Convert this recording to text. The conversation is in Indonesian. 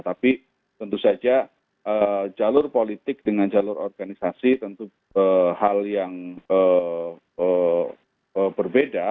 tapi tentu saja jalur politik dengan jalur organisasi tentu hal yang berbeda